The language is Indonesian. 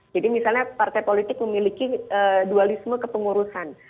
jadi misalnya partai politik memiliki dualisme kepengurusan